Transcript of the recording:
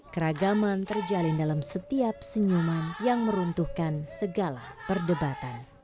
keragaman terjalin dalam setiap senyuman yang meruntuhkan segala perdebatan